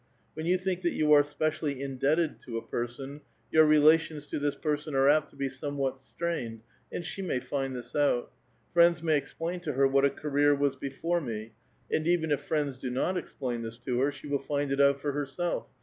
When you think that you are specially indebted to a person, your relations to this person are apt to be somewhat strained, and she may ISnd this out. Friends may explain to her what a career was before me ; and even if friends do not explain this to her, she will find it out for herself.